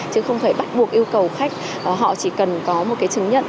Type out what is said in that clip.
chứ không phải bắt buộc yêu cầu khách họ chỉ cần có một cái chứng nhận